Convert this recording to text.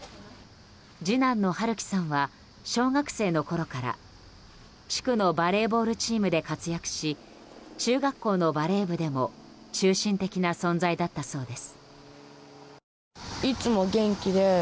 次男の春樹さんは小学生のころから地区のバレーボールチームで活躍し中学校のバレー部でも中心的な存在だったそうです。